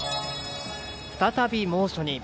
再び猛暑に。